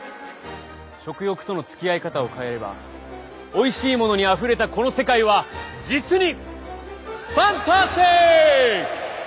食欲とのつきあい方を変えればおいしいものにあふれたこの世界は実にファンタスティック！